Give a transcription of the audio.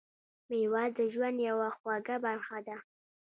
میوه د ژوند یوه خوږه برخه ده.